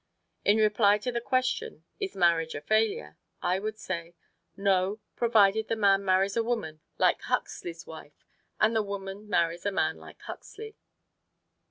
In reply to the question, Is marriage a failure? I would say, "No, provided the man marries a woman like Huxley's wife, and the woman marries a man like Huxley."